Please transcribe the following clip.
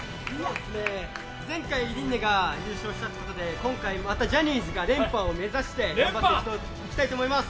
前回琳寧が優勝したということで今回、またジャニーズが連覇を目指して頑張っていきたいと思います。